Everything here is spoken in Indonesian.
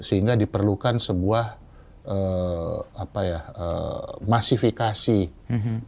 sehingga diperlukan sebuah masifikasi pemerintah pemerintah